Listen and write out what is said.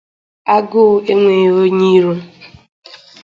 Agụụ enweghị onye iro